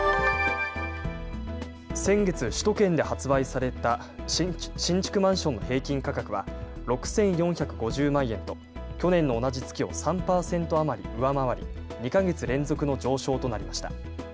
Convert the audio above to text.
先月、首都圏で発売された新築マンションの平均価格は６４５０万円と去年の同じ月を３％余り上回り２か月連続の上昇となりました。